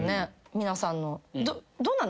皆さんの。